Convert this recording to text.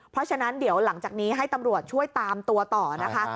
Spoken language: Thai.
เพราะฉะนั้นเดี๋ยวหลังจากนี้ให้ตำรวจช่วยตามตัวต่อนะคะ